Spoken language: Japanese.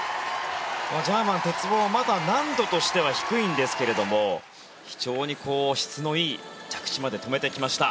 ジャーマンは鉄棒はまだ難度としては低いんですが非常に質のいい着地まで止めてきました。